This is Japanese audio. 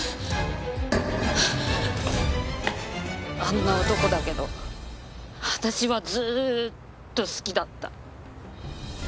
あんな男だけど私はずーっと好きだった。